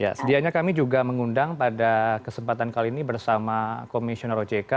ya sedianya kami juga mengundang pada kesempatan kali ini bersama komisioner ojk